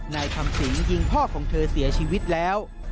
นายคำสิงยิงพ่อของเธอเสียชีวิตแล้ว